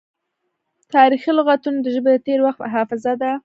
تاریخي لغتونه د ژبې د تیر وخت حافظه ده.